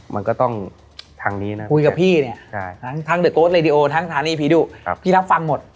มันก็ต้องทางนี้นะครับพี่รับฟังหมด